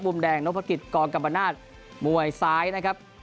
ปุ่มแดงนกพระกริจกองกับบรรดามวยซ้ายนะครับ